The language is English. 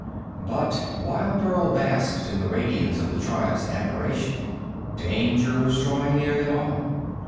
But while Burl basked in the radiance of his tribe's admiration, danger was drawing near them all.